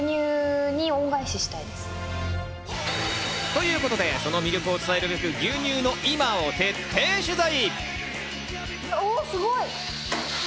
ということで、その魅力を伝えるべく、牛乳の今を徹底取材。